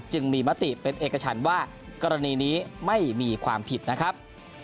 จึงมีมติเป็นเอกชันว่ากรณีนี้ไม่มีความผิดนะครับ